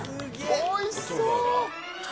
おいしそう。